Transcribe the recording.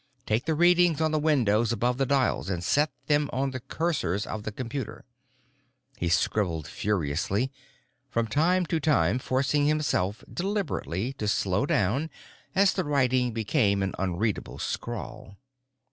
Take the readings on the windows above the dials and set them on the cursors of the computer——" He scribbled furiously, from time to time forcing himself deliberately to slow down as the writing became an unreadable scrawl.